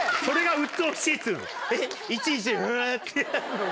いちいちんってやるのが。